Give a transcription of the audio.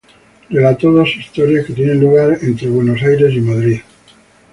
Relata dos historias que tienen lugar entre Buenos Aires y Madrid.